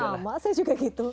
sama saya juga gitu